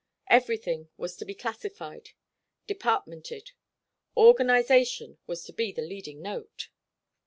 Everything was to be classified, departmented. Organisation was to be the leading note.